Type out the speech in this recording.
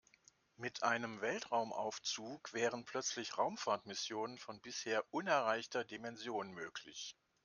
Mit einem Weltraumaufzug wären plötzlich Raumfahrtmissionen von bisher unerreichter Dimension möglich.